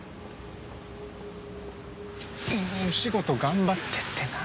「お仕事頑張って」ってなんだよ。